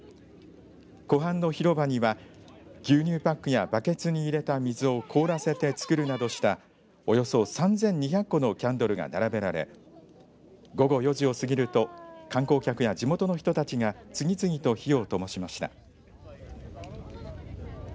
湖畔の広場には牛乳パックやバケツに入れた水を凍らせて作るなどしたおよそ３２００個のキャンドルが並べられ午後４時を過ぎると観光客や地元の人たちが次々と火をともしました。